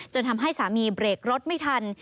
ทำให้สามีเบรกรถไม่ทัน